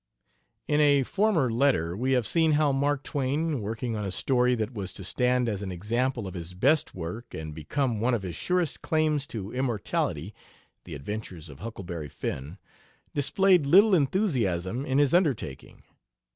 In a former letter we have seen how Mark Twain, working on a story that was to stand as an example of his best work, and become one of his surest claims to immortality (The Adventures of Huckleberry Finn), displayed little enthusiasm in his undertaking.